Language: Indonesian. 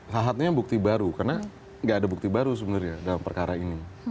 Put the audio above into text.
halatnya bukti baru karena nggak ada bukti baru sebenarnya dalam perkara ini